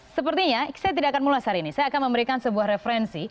sepertinya saya tidak akan mulas hari ini saya akan memberikan sebuah referensi